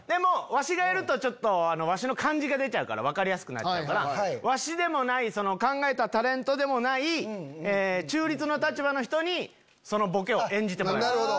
ワシがやるとワシの感じ出ちゃう分かりやすくなっちゃうからワシでもない考えたタレントでもない中立の立場の人にそのボケを演じてもらいます。